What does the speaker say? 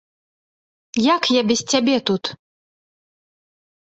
Як я без цябе тут?